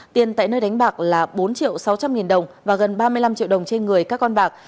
tiền tại nơi đánh bạc là bốn triệu sáu trăm linh nghìn đồng và gần ba mươi năm triệu đồng trên người các con bạc